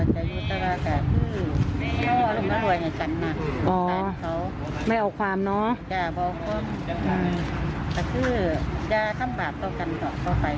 คือแย่ทั้งบาปต่อกันต่อไป